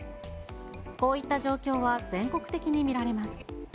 こういった状況は全国的に見られます。